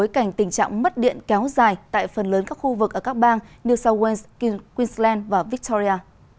cảnh tình trạng mất điện kéo dài tại phần lớn các khu vực ở các bang new south wales queensland và victoria